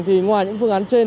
thì ngoài những phương án trên